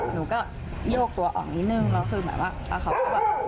หนูก็โยกตัวออกนิดหนึ่งแล้วคือหมายว่าท็อความข้อมูล